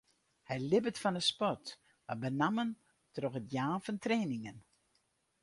Hy libbet fan de sport, mar benammen troch it jaan fan trainingen.